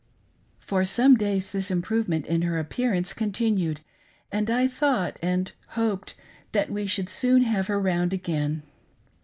For some days this improvement in her appearance con tinued, and. I thought, and hoped, that we should soon have her round again.